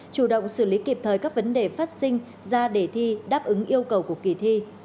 chủ động xử lý kịp thời các vấn đề phát sinh ra để thi đáp ứng yêu cầu của kỳ thi